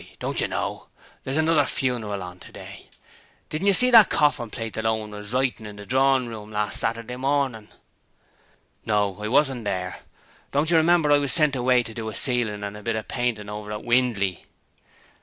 'Why, didn't you know? there's another funeral on today? Didn't you see that corfin plate what Owen was writing in the drorin' room last Saturday morning?' 'No, I wasn't 'ere. Don't you remember I was sent away to do a ceilin' and a bit of painting over at Windley?'